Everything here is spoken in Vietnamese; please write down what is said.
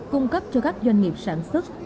cung cấp cho các doanh nghiệp sản xuất